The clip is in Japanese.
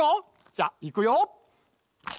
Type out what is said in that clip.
じゃいくよ。